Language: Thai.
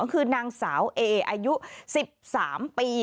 คือนางสาวเออายุ๑๓ปี